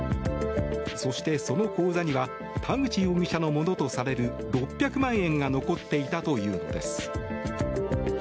そして、その口座には田口容疑者のものとされる６００万円が残っていたというのです。